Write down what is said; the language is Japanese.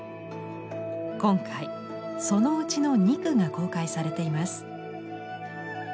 今回そのうちの２躯が公開されています。